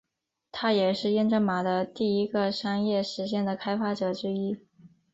他也是验证码的第一个商业实现的开发者之一。